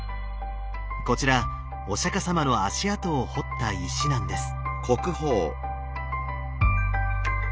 こちらお釈様の足跡を彫った石なんです。